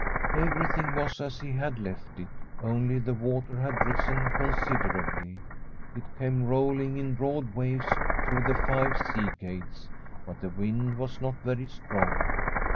Every thing was as he had left it, only the water had risen considerably. It came rolling in broad waves through the five sea gates ; but the wind was not very strong.